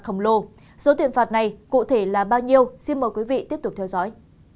khổng lồ số tiền phạt này cụ thể là bao nhiêu xin mời quý vị tiếp tục theo dõi